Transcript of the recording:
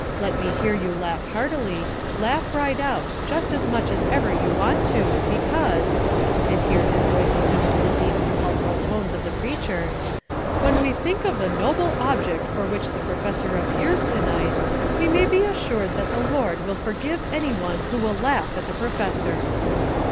Let me hear you laugh heartily, laugh right out, just as much as ever you want to, because" (and here his voice assumed the deep sepulchral tones of the preacher), "when we think of the noble object for which the professor appears to night, we may be assured that the Lord will forgive any one who will laugh at the professor."